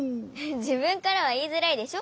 じぶんからはいいづらいでしょ？